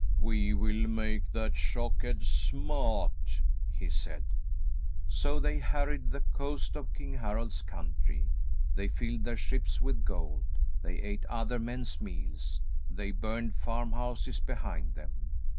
"We will make that Shockhead smart," he said. So they harried the coast of King Harald's country. They filled their ships with gold. They ate other men's meals. They burned farmhouses behind them.